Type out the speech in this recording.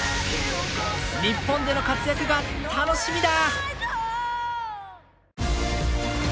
日本での活躍が楽しみだ！